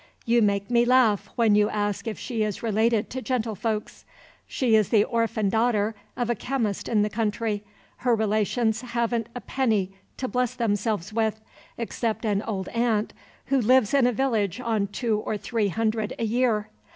You make me laugh when you ask if she is related to gentlefolks. She is the orphan daughter of a chemist in the country. Her relations haven't a penny to bless themselves with, except an old aunt, who lives in a village on two or three hundred a year.